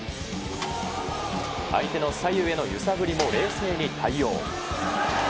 相手の左右への揺さぶりも冷静に対応。